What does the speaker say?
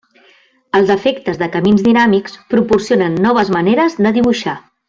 Els efectes de camins dinàmics proporcionen noves maneres de dibuixar.